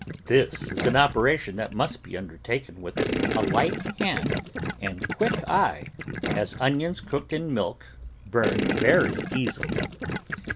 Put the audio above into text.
This is an operation that must be undertaken with a light hand and quick eye, as onions cooked in milk burn very easily.